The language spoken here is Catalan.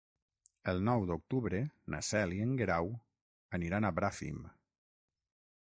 El nou d'octubre na Cel i en Guerau aniran a Bràfim.